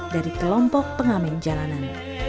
dari kelompok pengamen jalanan